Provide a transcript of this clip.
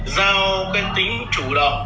giao cái tính chủ động